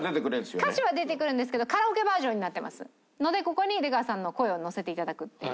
歌詞は出てくるんですけどカラオケバージョンになってますのでここに出川さんの声をのせて頂くっていう。